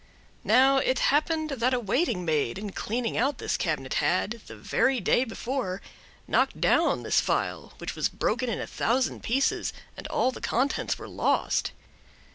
Now it happened that a waiting maid, in cleaning out this cabinet, had, the very day before, knocked down the phial, which was broken in a thousand pieces, and all the contents were lost.